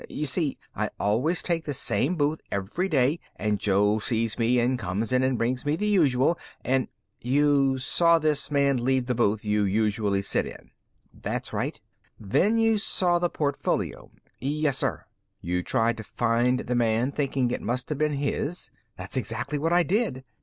You see, I always take the same booth every day and Joe sees me come in and he brings me the usual and " "You saw this man leave the booth you usually sit in?" "That's right." "Then you saw the portfolio." "Yes, sir." "You tried to find the man, thinking it must have been his." "That's exactly what I did."